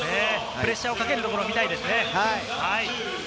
プレッシャーをかけるところが見たいですね。